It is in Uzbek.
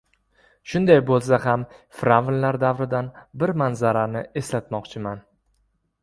Shunday bo‘lsa ham fir’avnlar davridan bir manzarani eslatmoqchiman.